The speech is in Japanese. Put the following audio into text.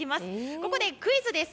ここでクイズです。